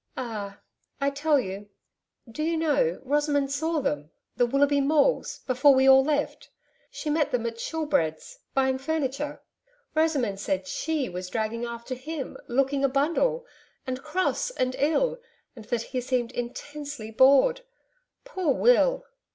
'Ah, I'll tell you Do you know, Rosamond saw them the Willoughby Maules before we all left. She met them at Shoolbred's buying furniture. Rosamond said SHE was dragging after him looking a bundle and cross and ill; and that he seemed intensely bored. Poor Will!'